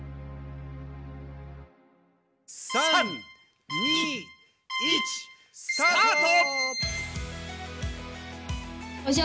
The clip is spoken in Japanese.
３２１スタート！